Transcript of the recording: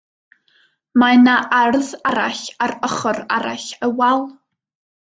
Mae 'na ardd arall ar ochr arall y wal.